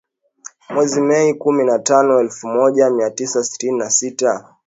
Mwezi Mei kumi na tano elfu moja mia tisa sitini na sita